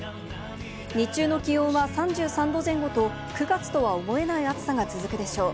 日中の気温は３３度前後と９月とは思えない暑さが続くでしょう。